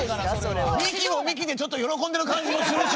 美紀も美紀でちょっと喜んでる感じもするし。